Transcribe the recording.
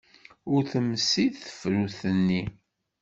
Ur temsid tefrut-nni.